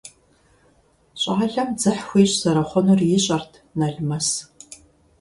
ЩӀалэм дзыхь хуищӀ зэрыхъунур ищӀэрт Налмэс.